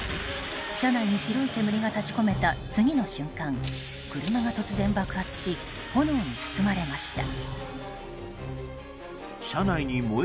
車内に白い煙が立ち込めた次の瞬間車が突然爆発し炎に包まれました。